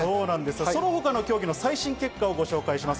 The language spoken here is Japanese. その他の競技の最新結果をお知らせします。